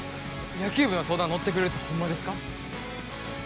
野球部の相談乗ってくれるってホンマですか？